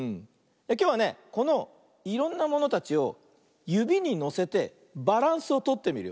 きょうはねこのいろんなものたちをゆびにのせてバランスをとってみるよ。